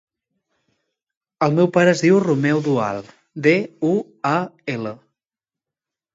El meu pare es diu Romeo Dual: de, u, a, ela.